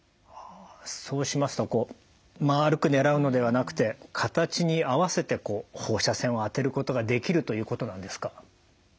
そうしますとこうまるく狙うのではなくて形に合わせてこう放射線を当てることができるということなんですか？